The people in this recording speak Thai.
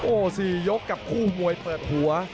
โอ้โห๔ยกกับคู่มวยเปิดหัว